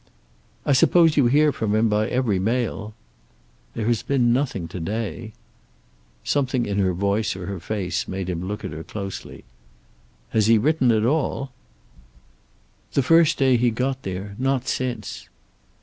"I suppose you hear from him by every mail." "There has been nothing to day." Something in her voice or her face made him look at her closely. "Has he written at all?" "The first day he got there. Not since."